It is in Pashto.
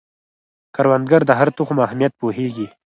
کروندګر د هر تخم اهمیت پوهیږي